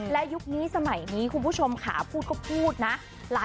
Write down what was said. และยุคนี้สมัยนี้คุณผู้ชมขาพูดก็พูดนะ